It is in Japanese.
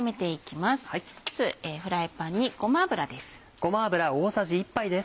まずフライパンにごま油です。